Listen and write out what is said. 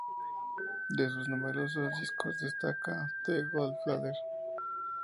De sus numerosos discos destaca "The Godfather".